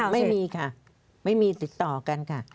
ไม่มีค่ะไม่มีติดต่อกันค่ะ